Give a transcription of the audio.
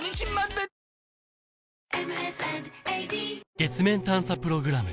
月面探査プログラム